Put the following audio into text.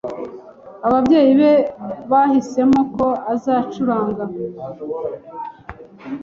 Ababyeyi be bahisemo ko azacuranga.